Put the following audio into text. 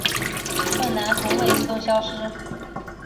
困难不会自动消失